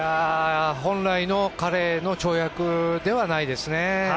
本来の彼の跳躍ではないですね。